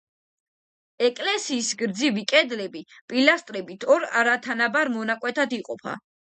ეკლესიის გრძივი კედლები პილასტრებით ორ არათანაბარ მონაკვეთად იყოფა.